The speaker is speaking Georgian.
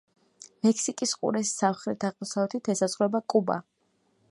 მექსიკის ყურეს სამხრეთ-აღმოსავლეთით ესაზღვრება კუბა.